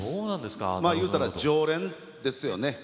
言うたら常連ですよね。